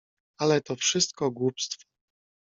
"Ale to wszystko głupstwo."